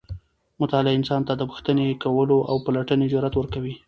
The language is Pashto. مطالعه انسان ته د پوښتنې کولو او پلټنې جرئت ورکوي.